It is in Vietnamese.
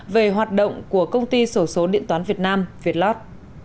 về hoạt động của công ty sổ số điện toán việt nam việt lót